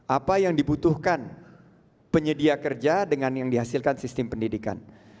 apa yang dibutuhkan penyedia kerja dengan yang dihasilkan sistem pendidikan